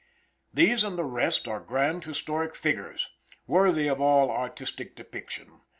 These and the rest are grand historic figures, worthy of all artistic depiction.